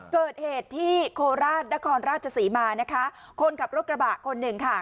เกิดเหตุที่โคราชนครราชศรีมานะคะคนขับรถกระบะคนหนึ่งค่ะ